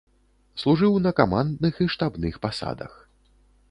Служыў на камандных і штабных пасадах.